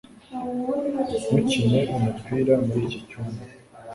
Ntukine umupira muri iki cyumba